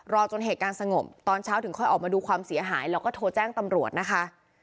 จนเหตุการณ์สงบตอนเช้าถึงค่อยออกมาดูความเสียหายแล้วก็โทรแจ้งตำรวจนะคะ